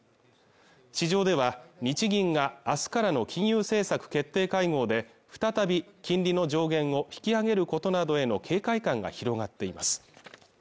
市場では日銀が明日からの金融政策決定会合で再び金利の上限を引き上げることなどへの警戒感が広がっています